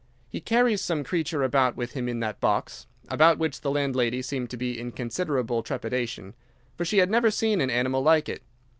He carries some creature about with him in that box; about which the landlady seemed to be in considerable trepidation, for she had never seen an animal like it.